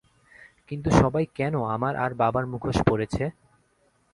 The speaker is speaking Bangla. কিন্তু সবাই কেন আমার আর বাবার মুখোশ পরেছে?